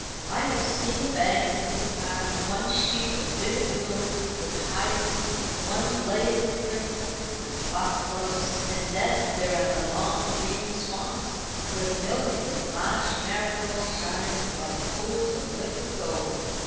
I have seen the banks in New Park one sheet of vivid blue with hyacinths, one blaze of crimson with foxgloves; and then there are the long green swamps, where millions of marsh marigolds shine like pools of liquid gold.